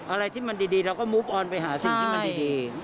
อะไรที่มันดีเราก็มุบออนไปหาสิ่งที่มันดี